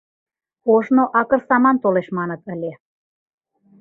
Ожнак акыр саман толеш маныт ыле.